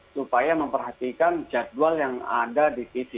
supaya memperhatikan jadwal yang ada di tv